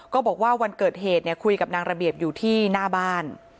บอกว่าวันเกิดเหตุคุยกับนางระเบียบอยู่ที่หน้าบ้าน